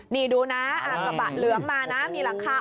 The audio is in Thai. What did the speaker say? นี่ดูนะกระบะเหลืองมานะมีหลังคา